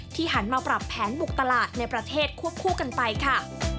หันมาปรับแผนบุกตลาดในประเทศควบคู่กันไปค่ะ